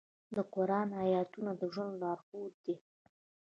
د قرآن آیاتونه د ژوند لارښود دي.